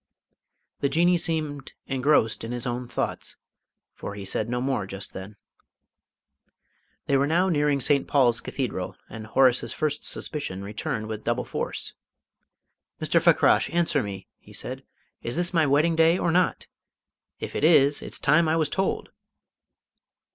The Jinnee seemed engrossed in his own thoughts, for he said no more just then. They were now nearing St. Paul's Cathedral, and Horace's first suspicion returned with double force. "Mr. Fakrash, answer me," he said. "Is this my wedding day or not? If it is, it's time I was told!"